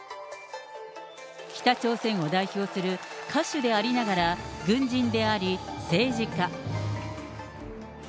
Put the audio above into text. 北朝鮮を代表する歌手でありながら、軍人であり、政治家。